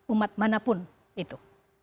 umat manapun itu